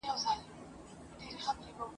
هر آواز یې حیدري وي هر ګوزار یې ذوالفقار کې !.